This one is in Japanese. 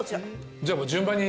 じゃあもう順番に。